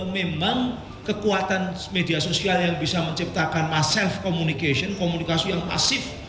memang kekuatan media sosial yang bisa menciptakan mas self communication komunikasi yang masif